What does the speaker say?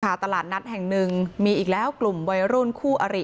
ตลาดนัดแห่งหนึ่งมีอีกแล้วกลุ่มวัยรุ่นคู่อริ